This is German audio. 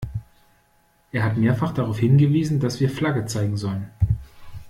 Er hat mehrfach darauf hingewiesen, dass wir Flagge zeigen sollen.